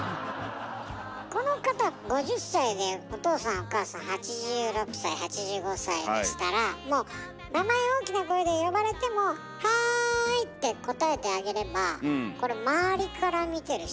この方５０歳でお父さんお母さん８６歳８５歳でしたらもう名前大きな声で呼ばれても「はい」って応えてあげればこれ周りから見てる人はよ？